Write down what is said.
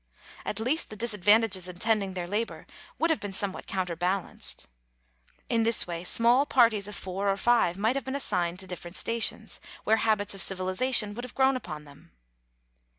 At least the disadvantages attending their labour would have been somewhat counterbalanced. In this way small parties of four or five might have been assigned to different stations, where habits of civilization would have grown upon them.